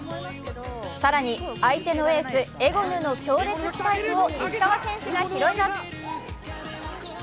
更に相手のエース・エゴヌの強烈スパイクを石川選手が拾います。